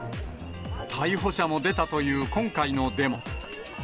逮捕者も出たという今回のデモ。